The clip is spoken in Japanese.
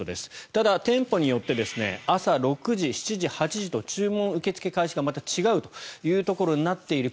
ただ、店舗によって朝６時、７時、８時と注文受け付け開始がまた違うというところになっている。